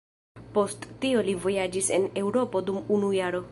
Post tio li vojaĝis en Eŭropo dum unu jaro.